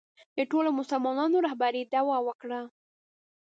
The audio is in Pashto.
د ټولو مسلمانانو رهبرۍ دعوا وکړه